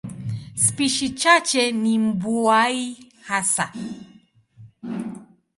Spishi chache ni mbuai hasa.